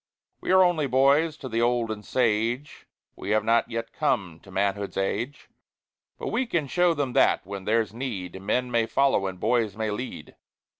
"We are only boys to the old and sage; We have not yet come to manhood's age; "But we can show them that, when there's need, Men may follow and boys may lead."